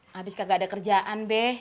habis kagak ada kerjaan be